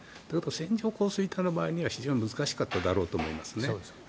線状降水帯の場合は非常に難しかっただろうと思いますね。